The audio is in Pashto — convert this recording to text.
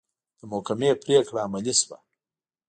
د محکمې پرېکړه عملي شوه.